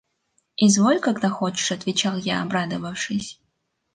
– Изволь; когда хочешь! – отвечал я, обрадовавшись.